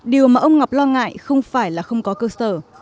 điều mà ông ngọc lo ngại không phải là không có cơ sở